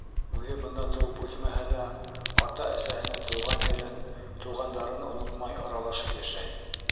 Үҙе бында тыуып үҫмәһә лә, ата-әсәһенең тыуған ерен, туғандарын онотмай аралашып йәшәй.